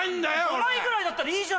５枚ぐらいだったらいいじゃ。